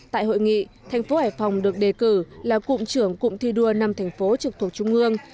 tại hội nghị thành phố hải phòng được đề cử là cụm trưởng cụm thi đua năm thành phố trực thuộc trung ương